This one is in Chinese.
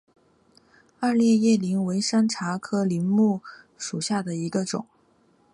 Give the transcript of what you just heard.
二列叶柃为山茶科柃木属下的一个种。